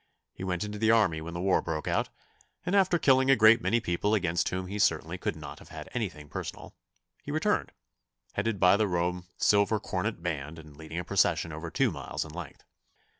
He went into the army when the war broke out, and after killing a great many people against whom he certainly could not have had anything personal, he returned, headed by the Rome Silver Cornet Band and leading a procession over two miles in length.